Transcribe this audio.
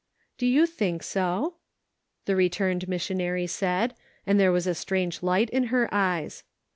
" Do you think so ?" the returned missionary said, and there was a strange light in her eyes.